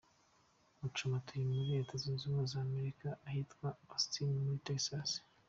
Muchoma atuye muri Leta Zunze Ubumwe za Amerika ahitwa Austin muri Texas.